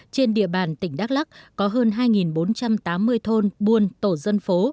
trên địa bàn tỉnh đắk lắc có hơn hai bốn trăm tám mươi thôn buôn tổ dân phố